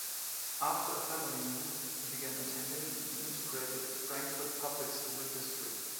After a family move, he began attending the integrated Frankfort public school district.